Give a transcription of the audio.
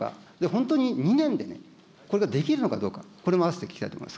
本当に２年でこれができるのかどうか、これも併せて聞きたいと思い